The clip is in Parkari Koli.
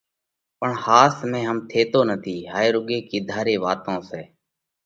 پڻ ۿاس ۾ هم ٿيتو نٿِي، هائي رُوڳي ڪِيڌا ري واتون سئہ۔